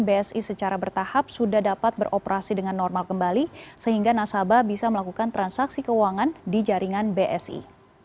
bsi secara bertahap sudah dapat beroperasi dengan normal kembali sehingga nasabah bisa melakukan transaksi keuangan di jaringan bsi